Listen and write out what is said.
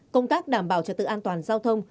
công tác đảm bảo trật tự an toàn giao thông